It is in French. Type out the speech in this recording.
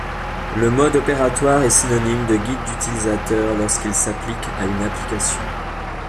Le mode opératoire est synonyme de guide utilisateur lorsqu'il s'applique à une application.